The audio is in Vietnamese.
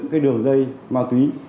cái đường dây ma túy